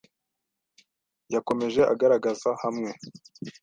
Yakomeje agaragaza hamwe